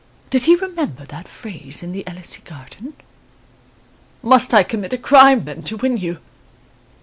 Did he remember that phrase in the Elysee garden: 'Must I commit a crime, then, to win you?